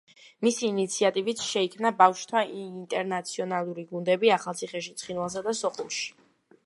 მისი ინიციატივით შეიქმნა ბავშვთა ინტერნაციონალური გუნდები ახალციხეში, ცხინვალსა და სოხუმში.